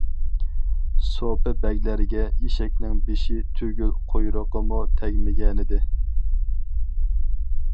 سوپى بەگلەرگە ئېشەكنىڭ بېشى تۈگۈل قۇيرۇقىمۇ تەگمىگەنىدى.